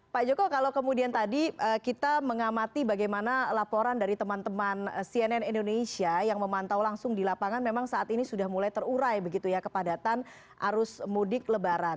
pak joko kalau kemudian tadi kita mengamati bagaimana laporan dari teman teman cnn indonesia yang memantau langsung di lapangan memang saat ini sudah mulai terurai begitu ya kepadatan arus mudik lebaran